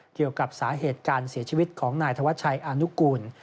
เกี่ยวกับสาเหตุการเสียชีวิตของนายธวัชชัยอานุกูล